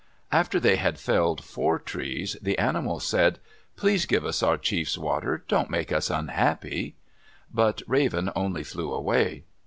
After they had felled four trees, the animals said, "Please give us our chief's water. Don't make us unhappy." But Raven only flew away.